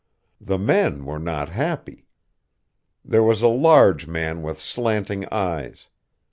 "The men were not happy. There was a large man with slanting eyes.